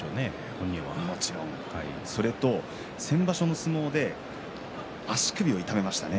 本人は、それと先場所の相撲で足首を痛めましたね。